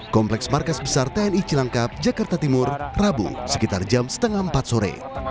kompleks markas besar tni cilangkap jakarta timur rabu sekitar jam setengah empat sore